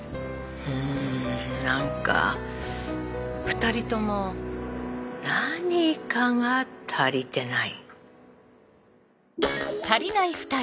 うん何か２人とも何かがたりてない。